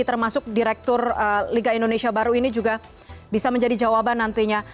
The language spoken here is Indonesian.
termasuk direktur liga indonesia baru ini juga bisa menjadi jawaban nantinya